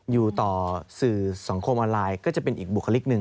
อยู่ต่อสื่อสังคมออนไลน์ก็จะเป็นอีกบุคลิกหนึ่ง